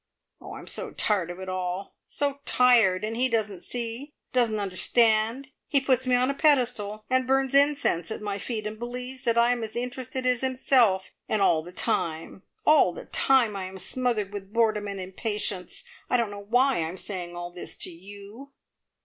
Oh, I'm so tired of it all so tired and he doesn't see, doesn't understand! He puts me on a pedestal, and burns incense at my feet, and believes that I am as interested as himself, and all the time all the time I am smothered with boredom and impatience. I don't know why I am saying all this to you.